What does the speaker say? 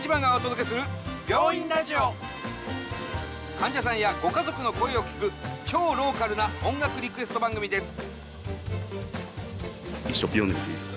患者さんやご家族の声を聞く超ローカルな音楽リクエスト番組です。